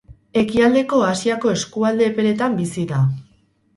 Ekialdeko Asiako eskualde epeletan bizi da.